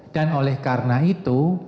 dan oleh karena itu